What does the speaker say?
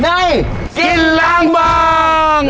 กินล้างบาง